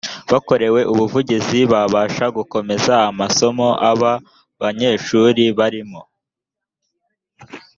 bakorewe ubuvugizi babasha gukomeza amasomo aba banyeshuri barimo